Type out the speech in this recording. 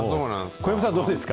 小藪さんはどうですか？